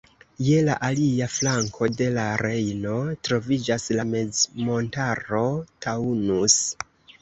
Je la alia flanko de la Rejno troviĝas la mezmontaro Taunus.